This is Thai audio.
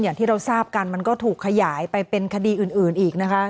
อย่างที่เราทราบกันมันก็ถูกขยายไปเป็นคดีอื่นอีกนะคะ